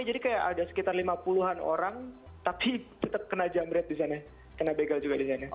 jadi kayak ada sekitar lima puluhan orang tapi tetap kena jamret di sana kena begal juga di sana